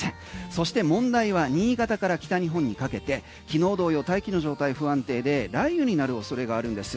そして問題は新潟から北日本にかけて昨日同様、大気の状態不安定で雷雨になるおそれがあるんです。